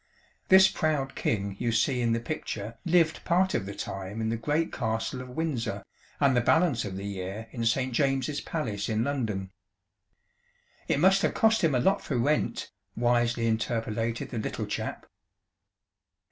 This proud king you see in the picture lived part of the time in the great castle of Windsor, and the balance of the year in Saint James's Palace in London." "It must have cost him a lot for rent," wisely interpolated the Little Chap.